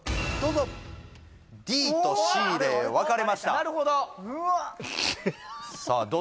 どうぞＤとＣで分かれましたさあ